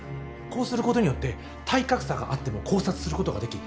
こうすることによって体格差があっても絞殺することができ